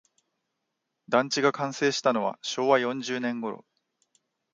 団地が完成したのは昭和四十年ごろ